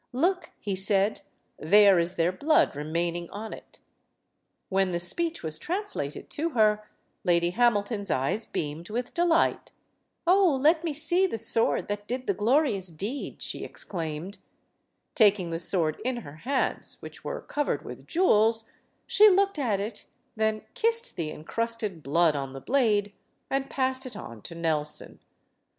"Look," he said, "there is their blood remaining on it." When the speech was translated to her, Lady Hamilton's eyes beamed with delight. "Oh, let me see the sword that did the glorious deed I" she exclaimed. Taking the sword in her hands, which were covered with jewels, she looked at it, then kissed the incrusted blood on the blade, and passed it on to Nelson.